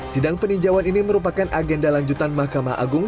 sidang peninjauan ini merupakan agenda lanjutan mahkamah agung